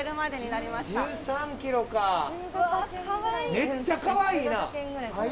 めっちゃかわいいな！